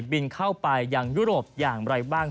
บินเข้าไปยังยุโรปอย่างไรบ้าง